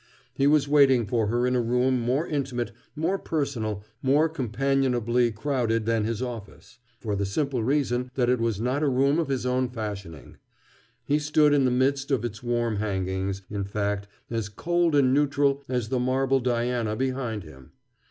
He was waiting for her in a room more intimate, more personal, more companionably crowded than his office, for the simple reason that it was not a room of his own fashioning. He stood in the midst of its warm hangings, in fact, as cold and neutral as the marble Diana behind him.